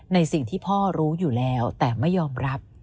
ในสิ่งที่พ่อรู้อยู่แล้วแต่ไม่ยอมรับ